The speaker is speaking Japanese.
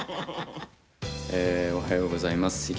おはようございます。